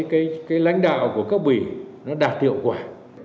cái lãnh đạo của cấp ủy nó đạt hiệu quả